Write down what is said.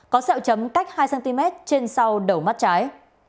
có xeo chấm cách hai cm trên sau đầu mắt trái